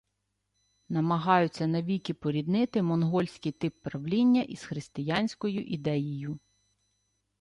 Намагаються навіки поріднити монгольський тип правління із християнською ідеєю